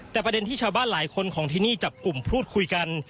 แต่ประเด็นที่ชาวบ้านหลายคนของที่นี่จับกลุ่มพูดคุยกัน